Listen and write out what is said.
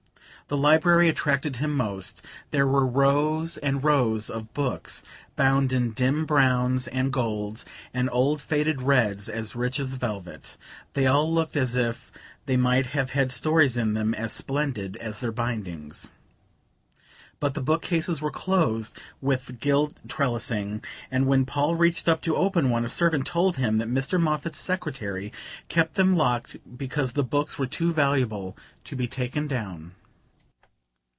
The library attracted him most: there were rows and rows of books, bound in dim browns and golds, and old faded reds as rich as velvet: they all looked as if they might have had stories in them as splendid as their bindings. But the bookcases were closed with gilt trellising, and when Paul reached up to open one, a servant told him that Mr. Moffatt's secretary kept them locked because the books were too valuable to be taken down.